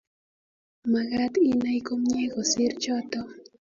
Magaat inay komnyei kosiir choto